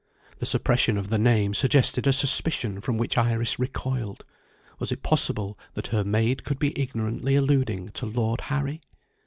The suppression of the name suggested a suspicion from which Iris recoiled. Was it possible that her maid could be ignorantly alluding to Lord Harry?